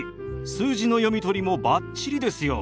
数字の読み取りもバッチリですよ。